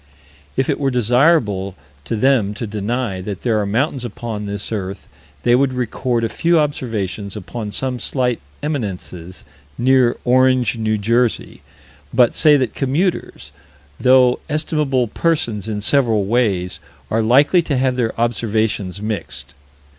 If it were desirable to them to deny that there are mountains upon this earth, they would record a few observations upon some slight eminences near Orange, N.J., but say that commuters, though estimable persons in several ways, are likely to have their observations mixed.